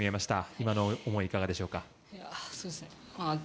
今の思い、いかがでしょうか？